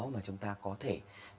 mà chúng ta có thể